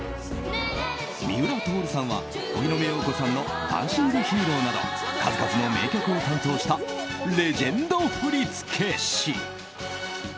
三浦亨さんは、荻野目洋子さんの「ダンシング・ヒーロー」など数々の名曲を担当したレジェンド振付師。